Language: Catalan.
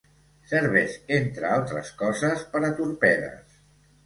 Serveix entre altres coses per a torpedes.